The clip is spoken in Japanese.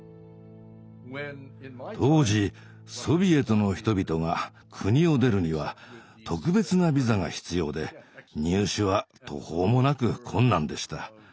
当時ソビエトの人々が国を出るには特別なビザが必要で入手は途方もなく困難でした。